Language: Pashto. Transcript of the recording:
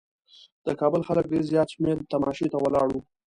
د کابل خلک ډېر زیات شمېر تماشې ته ولاړ وو.